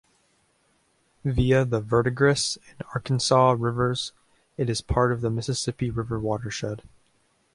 Via the Verdigris and Arkansas rivers, it is part of the Mississippi River watershed.